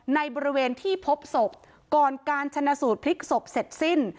ในบริเวณที่พบศพก่อนการชนะสูตรพลิกศพเสร็จสิ้น